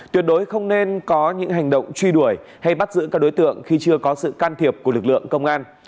tuyệt đối không nên có những hành động truy đuổi hay bắt giữ các đối tượng khi chưa có sự can thiệp của lực lượng công an